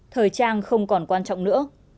thời trang không còn quan trọng nữa